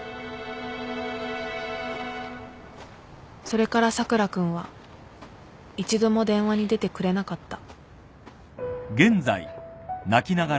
それから佐倉君は一度も電話に出てくれなかった